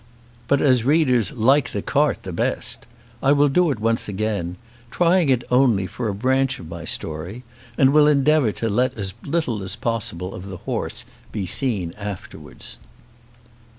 But as readers like the cart the best, I will do it once again, trying it only for a branch of my story, and will endeavour to let as little as possible of the horse be seen afterwards.